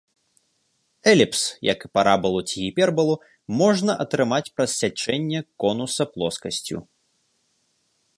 Эліпс, як і парабалу ці гіпербалу, можна атрымаць праз сячэнне конуса плоскасцю.